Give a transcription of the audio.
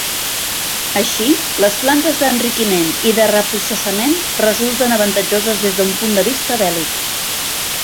Així, les plantes d'enriquiment i de reprocessament resulten avantatjoses des d'un punt de vista bèl·lic.